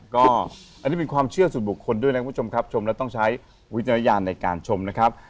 ก็อันนี้เป็นความเชื่อส่วนบุคคลด้วยนะคุณผู้ชมครับชมแล้วต้องใช้วิจารณญาณในการชมนะครับ